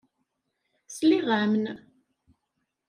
Sliɣ-am-n.